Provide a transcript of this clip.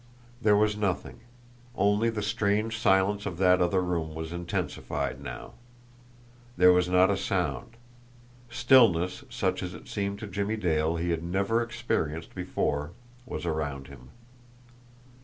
There was nothing. Only the strange silence of that other room was intensified now. There was not a sound; stillness such as it seemed to Jimmie Dale he had never experienced before was around him.